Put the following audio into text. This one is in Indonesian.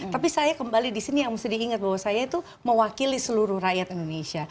tapi saya kembali di sini yang mesti diingat bahwa saya itu mewakili seluruh rakyat indonesia